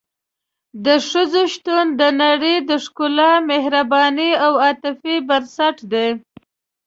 د ښځې شتون د نړۍ د ښکلا، مهربانۍ او عاطفې بنسټ دی.